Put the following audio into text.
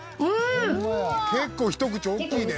「結構ひと口大きいね」